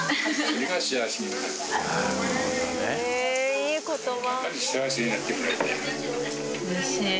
いい言葉。